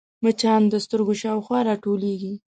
مچان د سترګو شاوخوا راټولېږي